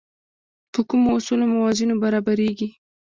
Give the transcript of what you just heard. په کومو اصولو او موازینو برابرېږي.